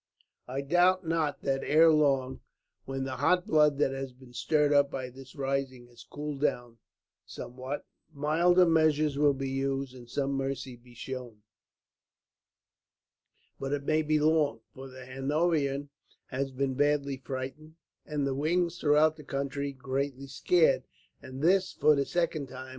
"I doubt not that ere long, when the hot blood that has been stirred up by this rising has cooled down somewhat, milder measures will be used, and some mercy be shown; but it may be long, for the Hanoverian has been badly frightened, and the Whigs throughout the country greatly scared, and this for the second time.